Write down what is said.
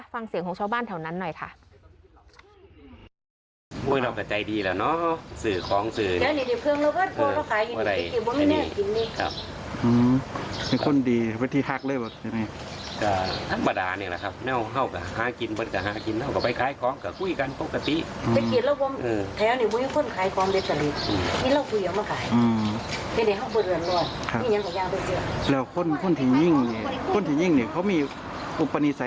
ฟังเสียงของชาวบ้านแถวนั้นหน่อยค่ะ